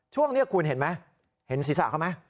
ช่วงนี้คุณเห็นไหมเห็นศีรษะเขาไหม